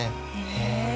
へえ。